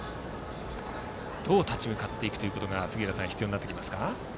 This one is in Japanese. どう立ち向かっていくことが杉浦さん、必要になってきますか。